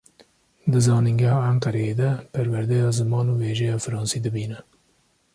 Di zanîngeha Enqereyê de, perwerdeya ziman û wêjeya fransî dibîne.